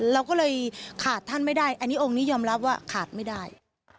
เราก็เลยขาดท่านไม่ได้อันนี้องค์นี้ยอมรับว่าขาดไม่ได้